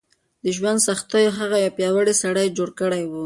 د ژوند سختیو هغه یو پیاوړی سړی جوړ کړی و.